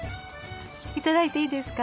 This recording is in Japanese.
いただいていいですか？